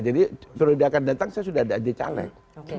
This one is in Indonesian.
jadi periwudaya akan datang saya sudah ada aja caleg